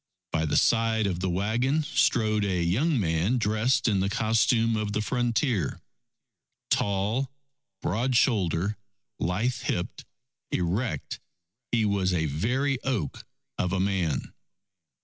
By the side of the wagon, strode a young man dressed in the costume of the frontier. Tall, broad shouldered, lithe hipped, erect, he was a very oak of a man.